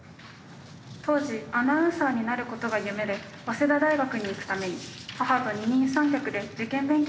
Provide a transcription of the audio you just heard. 「当時アナウンサーになることが夢で早稲田大学に行くために母と二人三脚で受験勉強に励んでいた」。